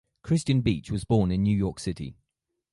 Christian Beach was born in New York City.